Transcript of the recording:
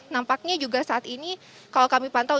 nampaknya juga saat ini kalau kami pantau